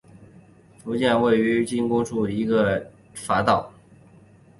福崎南匝道是位于兵库县神崎郡福崎町的播但连络道路之匝道。